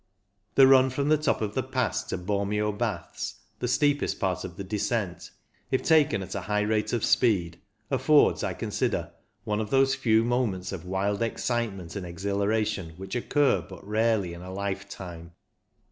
The run from the top of the Pass to Bormio Baths (the steepest part of the descent), if taken at a high rate of speed, affords, I consider, one of those few moments of wild excitement and exhilaration which occur but rarely in a lifetime."